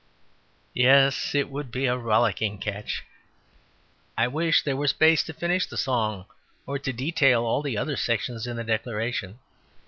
Yes, it would be a rollicking catch. I wish there were space to finish the song, or to detail all the other sections in the Declaration.